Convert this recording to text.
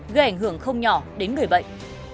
gây ảnh hưởng không nhỏ đến người bệnh